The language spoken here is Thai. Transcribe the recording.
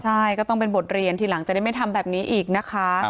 ใช่ก็ต้องเป็นบทเรียนทีหลังจะได้ไม่ทำแบบนี้อีกนะคะ